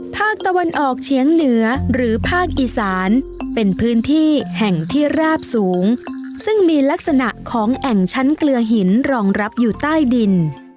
ภาคตะวันออกเฉียงเหนือหรือภาคอีสานเป็นพื้นที่แห่งที่ราบสูงซึ่งมีลักษณะของแอ่งชั้นเกลือหินรองรับอยู่ใต้ดิน